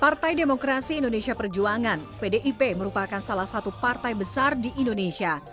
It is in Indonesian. partai demokrasi indonesia perjuangan pdip merupakan salah satu partai besar di indonesia